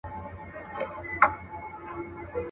د لباس كيسې عالم وې اورېدلي.